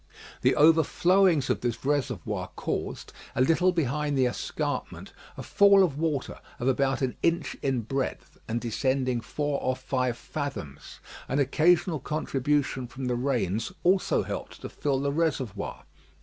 The overflowings of this reservoir caused, a little behind the escarpment, a fall of water of about an inch in breadth, and descending four or five fathoms. An occasional contribution from the rains also helped to fill the reservoir.